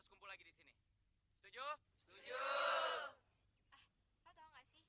bentar deh nih